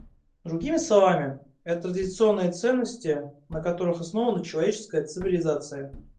Другими словами, это традиционные ценности, на которых основана человеческая цивилизация.